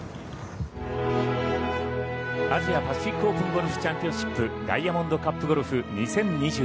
アジアパシフィックオープンゴルフチャンピオンシップダイヤモンドカップゴルフ２０２２。